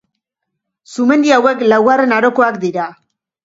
Sumendi hauek, laugarren arokoak dira.